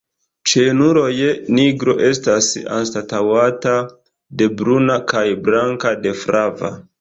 Ĉe junuloj nigro estas anstataŭata de bruna kaj blanka de flava.